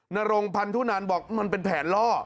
นรงพันธุนันบอกมันเป็นแผนล่อ